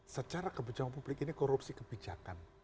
secara kebijakan publik ini korupsi kebijakan